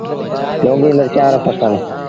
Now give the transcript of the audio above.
لونگيٚ مرچآݩ رو ڦسل